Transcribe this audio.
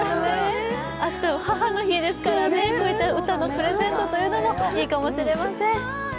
明日は母の日ですからこうした歌のプレゼントというのもいいかもしれません。